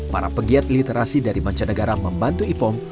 para pegiat literasi dari mancanegara membantu ipong